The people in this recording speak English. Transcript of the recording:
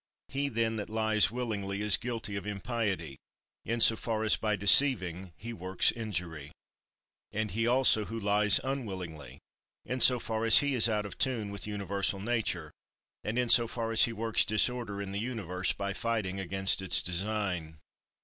He, then, that lies willingly is guilty of impiety, in so far as by deceiving he works injury: and he also who lies unwillingly, in so far as he is out of tune with universal Nature, and in so far as he works disorder in the Universe by fighting against its design.